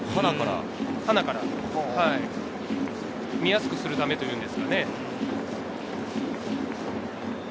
はなから見やすくするためですよね。